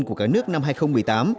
của các nước năm hai nghìn một mươi tám